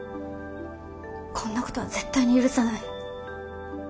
こんなことは絶対に許さない。